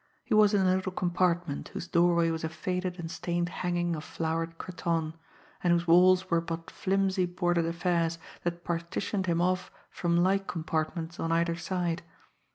He was in a little compartment, whose doorway was a faded and stained hanging of flowered cretonne, and whose walls were but flimsy boarded affairs that partitioned him off from like compartments on either side.